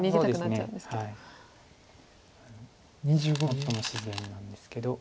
最も自然なんですけど。